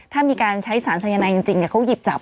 ถ้ามีการใช้สารสายนายจริงเขาหยิบจับ